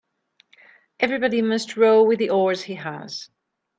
Everybody must row with the oars he has.